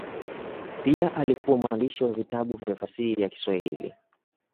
Pia alikuwa mwandishi wa vitabu vya fasihi ya Kiswahili.